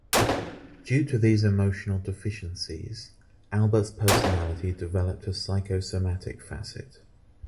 Due to these emotional deficiencies, Albert’s personality developed a psychosomatic facet.